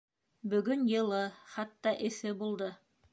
Бөгөн йылы, хатта эҫе булды.